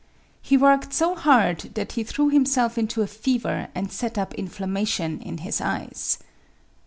He worked so hard that he threw himself into a fever and set up inflammation in his eyes.